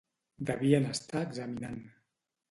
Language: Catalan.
Devien estar examinant.